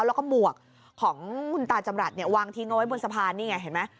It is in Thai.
แล้วก็หมวกของคุณตาจำรัฐเนี่ยวางทิ้งเอาไว้บนสะพานนี่ไงเห็นไหม